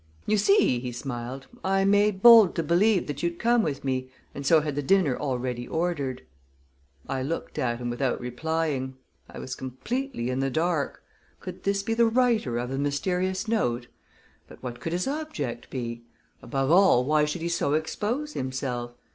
"You see," he smiled, "I made bold to believe that you'd come with me, and so had the dinner already ordered." I looked at him without replying. I was completely in the dark. Could this be the writer of the mysterious note? But what could his object be? Above all, why should he so expose himself?